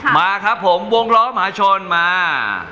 มาครับผมวงล้อมหาชนมา